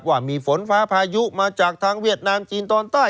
ว่ามีฝนฟ้าพายุมาจากทางเวียดนามจีนตอนใต้